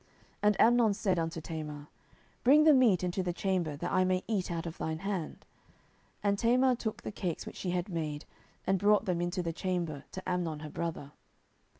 10:013:010 And Amnon said unto Tamar, Bring the meat into the chamber, that I may eat of thine hand. And Tamar took the cakes which she had made, and brought them into the chamber to Amnon her brother.